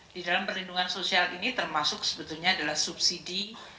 di dalam perlindungan sosial ini termasuk sebetulnya adalah subsidi